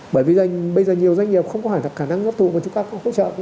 bởi vì bây giờ nhiều doanh nghiệp không có khả năng hấp thụ mà chúng ta có hỗ trợ